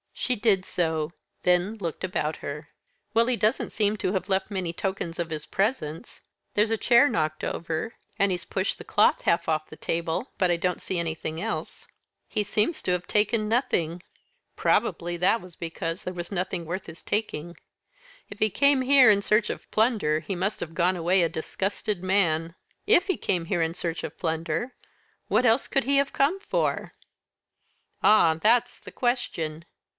She did so. Then looked about her. "Well, he doesn't seem to have left many tokens of his presence. There's a chair knocked over, and he's pushed the cloth half off the table, but I don't see anything else." "He seems to have taken nothing." "Probably that was because there was nothing worth his taking. If he came here in search of plunder, he must have gone away a disgusted man." "If he came here in search of plunder? what else could he have come for?" "Ah! that's the question."